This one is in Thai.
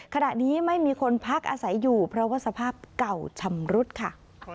ขณะนี้ไม่มีคนพักอาศัยอยู่เพราะว่าสภาพเก่าชำรุดค่ะ